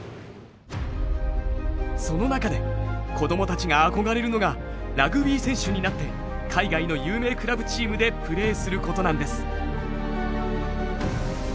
その中で子供たちが憧れるのがラグビー選手になって海外の有名クラブチームでプレーすることなんです。